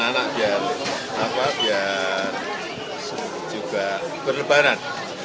anak biar juga berlebaran